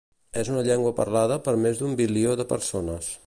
És una llengua parlada per més d'un bilió de persones.